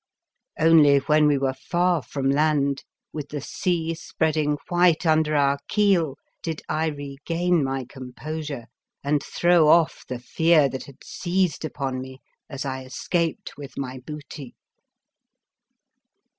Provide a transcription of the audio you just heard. Only when we were far from land, with the sea spreading white under our keel, did I regain my composure and throw off the fear that had seized upon me as I escaped with my booty.